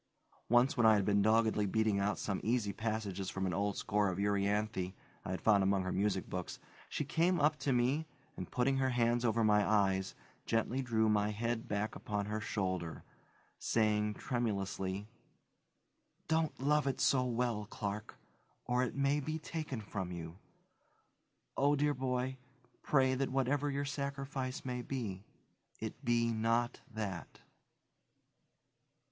Once when I had been doggedly beating out some easy passages from an old score of Euryanthe I had found among her music books, she came up to me and, putting her hands over my eyes, gently drew my head back upon her shoulder, saying tremulously, "Don't love it so well, Clark, or it may be taken from you. Oh, dear boy, pray that whatever your sacrifice may be, it be not that."